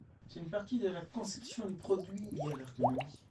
C'est une partie de la conception de produit liée à l'ergonomie.